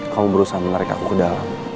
kamu berusaha menarik aku ke dalam